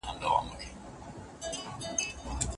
په ملګرو چي دي ګډه واویلا ده